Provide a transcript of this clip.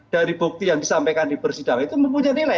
dari bukti yang disampaikan di persidangan itu mempunyai nilai